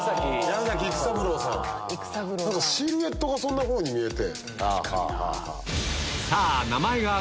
シルエットがそんなふうに見えて。